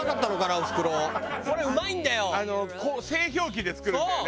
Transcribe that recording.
製氷機で作るんだよね。